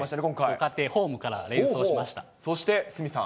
家庭、ホームから連想しまそして鷲見さん。